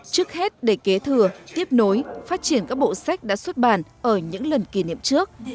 trước hết để kế thừa tiếp nối phát triển các bộ sách đã xuất bản ở những lần kỷ niệm trước